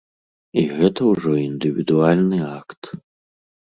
І гэта ўжо індывідуальны акт.